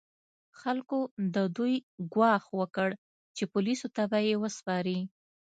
خلکو د دوی ګواښ وکړ چې پولیسو ته به یې وسپاري.